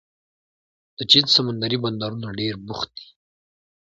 د چین سمندري بندرونه ډېر بوخت دي.